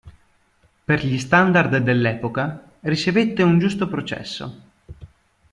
Per gli standard dell'epoca, ricevette un giusto processo.